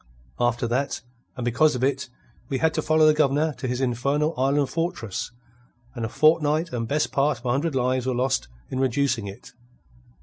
After that, and because of it, we had to follow the Governor to his infernal island fortress, and a fortnight and best part of a hundred lives were lost in reducing it.